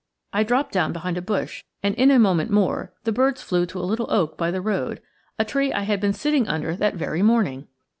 I dropped down behind a bush, and in a moment more the birds flew to a little oak by the road a tree I had been sitting under that very morning!